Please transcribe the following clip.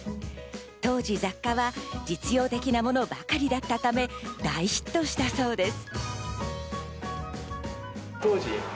当時、雑貨は実用的なものばかりだったため、大ヒットしたそうです。